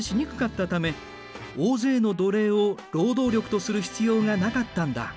たため大勢の奴隷を労働力とする必要がなかったんだ。